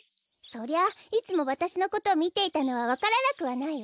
そりゃいつもわたしのことをみていたのはわからなくはないわ。